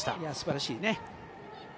素晴らしいね。